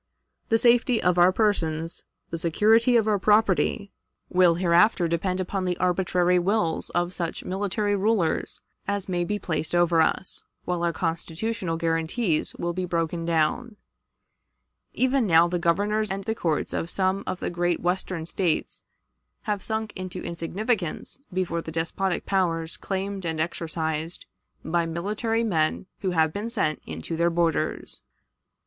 The safety of our persons, the security of our property, will hereafter depend upon the arbitrary wills of such military rulers as may be placed over us, while our constitutional guarantees will be broken down. Even now the Governors and the courts of some of the great Western States have sunk into insignificance before the despotic powers claimed and exercised by military men who have been sent into their borders."